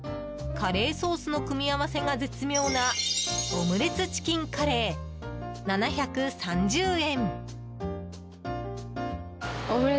カレーソースの組み合わせが絶妙なオムレツチキンカレー、７３０円。